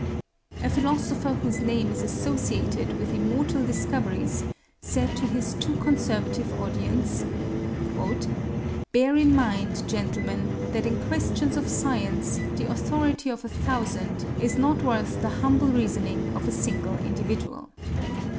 A philosopher whose name is associated with immortal discoveries said to his too conservative audience, "Bear in mind, gentlemen, that in questions of science the authority of a thousand is not worth the humble reasoning of a single individual."